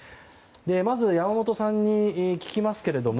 まず山本さんに聞きますけれども